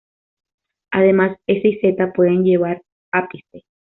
Además, 's' y 'z' pueden llevar ápice.